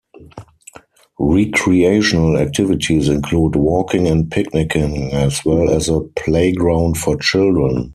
Recreational activities include walking and picnicking as well as a playground for children.